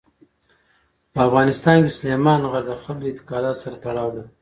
په افغانستان کې سلیمان غر د خلکو د اعتقاداتو سره تړاو لري.